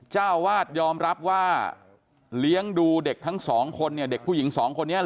เจ้าวาดยอมรับว่าเลี้ยงดูเด็กทั้งสองคนเนี่ยเด็กผู้หญิงสองคนนี้